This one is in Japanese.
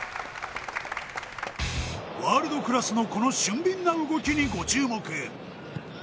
ワールドクラスのこの俊敏な動きにご注目